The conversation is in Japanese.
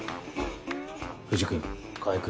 藤君川合君